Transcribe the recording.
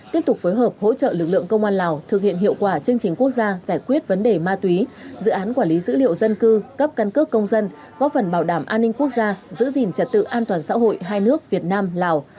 tiếp tục phối hợp hỗ trợ lực lượng công an lào thực hiện hiệu quả chương trình quốc gia giải quyết vấn đề ma túy dự án quản lý dữ liệu dân cư cấp căn cước công dân góp phần bảo đảm an ninh quốc gia giữ gìn trật tự an toàn xã hội hai nước việt nam lào